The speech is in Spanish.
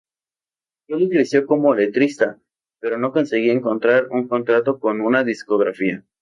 Kelly creció como letrista pero no conseguía encontrar un contrato con una discográfica.